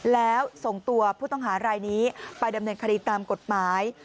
แล้วส่งตัวผู้ต้องหารายนี้ไปดำเนินคดีตามกฎหมาย